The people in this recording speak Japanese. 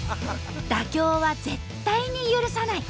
妥協は絶対に許さない！